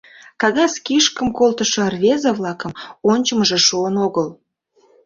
Кагаз кишкым колтылшо рвезе-влакым ончымыжо шуын огыл.